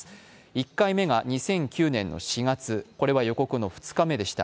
１回目が２００９年の４月これは予告の２日目でした。